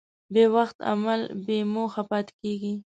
بېوخت عمل بېموخه پاتې کېږي.